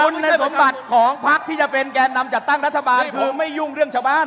คุณสมบัติของพักที่จะเป็นแก่นำจัดตั้งรัฐบาลคือไม่ยุ่งเรื่องชาวบ้าน